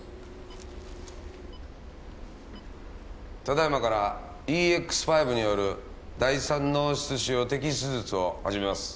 ただ今からＥＸ‐５による第三脳室腫瘍摘出術を始めます。